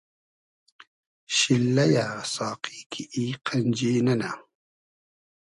شیللئیۂ ساقی کی ای قئنجی نئنۂ